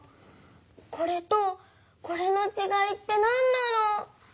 これとこれのちがいってなんだろう？